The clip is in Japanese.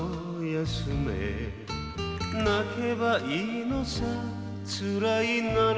「泣けばいいのさつらいなら」